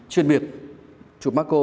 chuyên biệt chụp macro